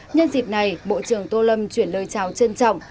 nhân dịp này bộ trưởng tô lâm chuyển lời chào trân trọng